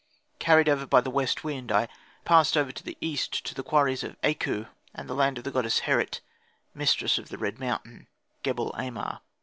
Carried over by the west wind, I passed over to the east to the quarries of Aku and the land of the goddess Herit, mistress of the red mountain (Gebel Ahmar).